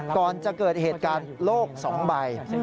ก่อนจะเกิดเหตุการพฤติโรคสองใบ